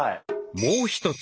もう一つ